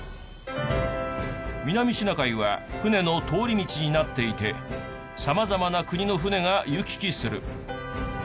南シナ海は船の通り道になっていて様々な国の船が行き来する。